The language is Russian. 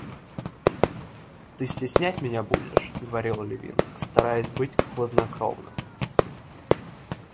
Ты стеснять меня будешь, — говорил Левин, стараясь быть хладнокровным.